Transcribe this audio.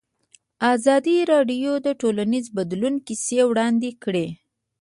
ازادي راډیو د ټولنیز بدلون کیسې وړاندې کړي.